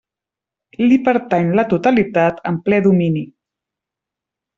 Li pertany la totalitat en ple domini.